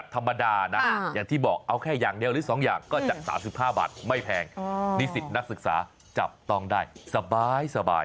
สำหรับคนชอบแบบจัดเต็มชุดใหญ่ไฟกระพริบ